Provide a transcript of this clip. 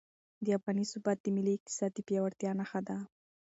د افغانۍ ثبات د ملي اقتصاد د پیاوړتیا نښه ده.